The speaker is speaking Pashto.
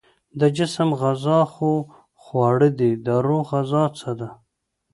د جسم غذا خو خواړه دي، د روح غذا څه ده؟